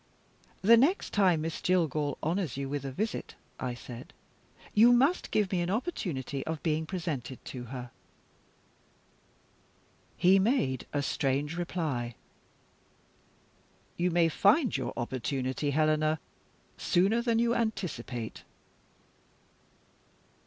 "The next time Miss Jillgall honors you with a visit," I said, "you must give me an opportunity of being presented to her." He made a strange reply: "You may find your opportunity, Helena, sooner than you anticipate."